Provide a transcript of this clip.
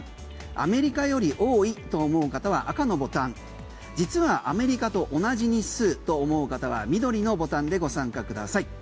アメリカより多いと思う方は赤のボタン実はアメリカと同じ日数と思う方は緑のボタンでご参加ください。